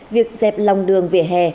việc dẹp lòng đường vỉa hè